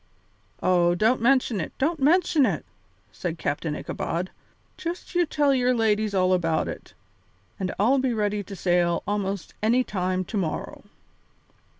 "Oh, don't mention it, don't mention it," said Captain Ichabod; "just you tell your ladies all about it, and I'll be ready to sail almost any time to morrow."